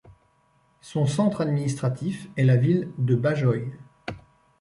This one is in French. Son centre administratif est la ville de Bahjoi.